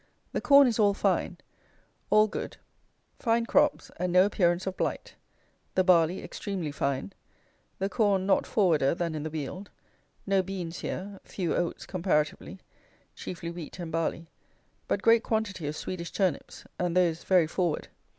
The corn is all fine; all good; fine crops, and no appearance of blight. The barley extremely fine. The corn not forwarder than in the Weald. No beans here; few oats comparatively; chiefly wheat and barley; but great quantities of Swedish turnips, and those very forward.